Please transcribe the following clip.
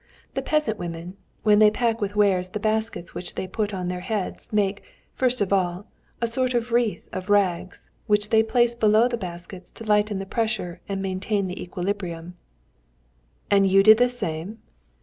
The peasant women, when they pack with wares the baskets which they put on their heads, make, first of all, a sort of wreath of rags, which they place below the baskets to lighten the pressure and maintain the equilibrium." "And you did the same?"